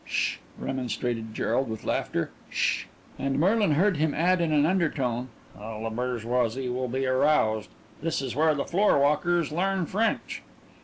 "Sh!" remonstrated Gerald, with laughter. "Sh!" and Merlin heard him add in an undertone: "All the bourgeoisie will be aroused. This is where the floorwalkers learn French."